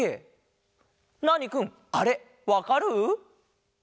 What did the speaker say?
ナーニくんあれわかる？